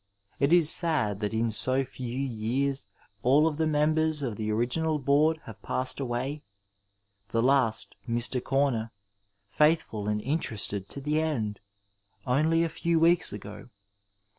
It is sad that in so few years all of the members of the original Board have passed away, the last, Mr. Comer — ^faithful and interested to the end — only a few weeks ago.